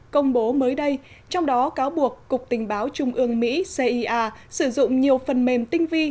công bố mới đây trong đó cáo buộc cục tình báo trung ương mỹa sử dụng nhiều phần mềm tinh vi